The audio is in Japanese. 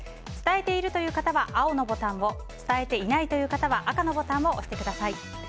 伝えているという方は青のボタンは伝えていないという方は赤のボタンを押してください。